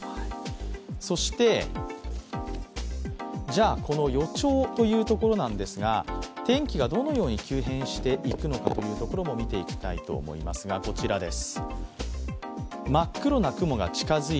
そして、この予兆なんですが天気がどのように急変していくのかというところも見ていきたいと思いますがこちらです。